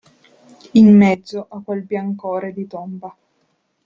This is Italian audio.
In mezzo a quel biancore di tomba.